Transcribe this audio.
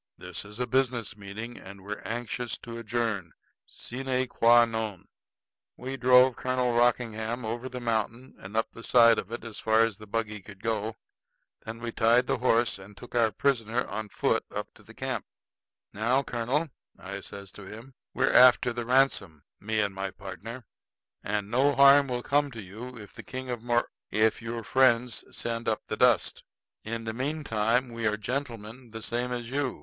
This is a business meeting, and we're anxious to adjourn sine qua non." We drove Colonel Rockingham over the mountain and up the side of it as far as the buggy could go. Then we tied the horse, and took our prisoner on foot up to the camp. "Now, colonel," I says to him, "we're after the ransom, me and my partner; and no harm will come to you if the King of Mor if your friends send up the dust. In the meantime we are gentlemen the same as you.